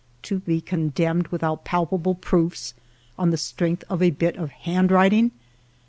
To be condemned without palpable proofs, on the strength of a bit of handwriting